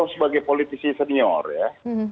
sebagai politisi senior ya